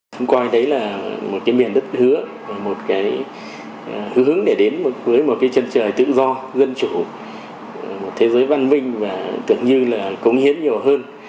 chúng coi đấy là một cái miền đất hứa một cái hướng để đến với một cái chân trời tự do dân chủ một thế giới văn minh và tưởng như là cống hiến nhiều hơn